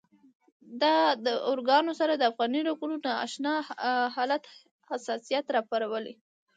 د داروګانو سره د افغاني رګونو نا اشنا حالت حساسیت راپارولی.